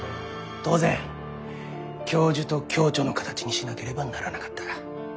当然教授と共著の形にしなければならなかった。